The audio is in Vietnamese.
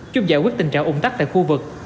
giúp giải quyết tình trạng ủng tắc tại khu vực